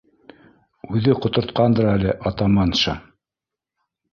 — Үҙе ҡотортҡандыр әле, атаманша!